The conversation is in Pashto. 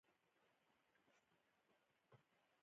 زه پر کوچنيانو مهربانه يم.